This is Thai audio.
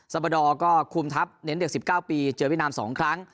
บาดอร์ก็คุมทัพเน้นเด็ก๑๙ปีเจอเวียดนาม๒ครั้ง